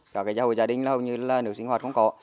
cả cái hồ gia đình là hầu như là nước sinh hoạt không có